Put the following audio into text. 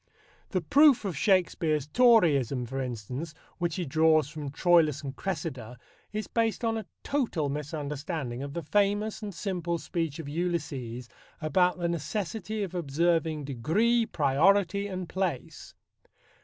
The proof of Shakespeare's Toryism, for instance, which he draws from Troilus and Cressida, is based on a total misunderstanding of the famous and simple speech of Ulysses about the necessity of observing "degree, priority and place."